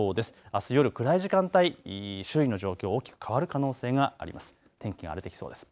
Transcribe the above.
あす夜暗い時間帯、周囲の状況、大きく変わる可能性があります。